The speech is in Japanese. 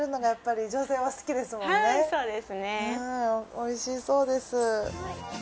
美味しそうです。